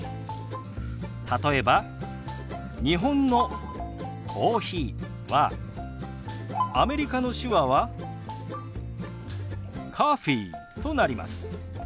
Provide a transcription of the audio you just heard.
例えば日本の「コーヒー」はアメリカの手話は「ｃｏｆｆｅｅ」となります。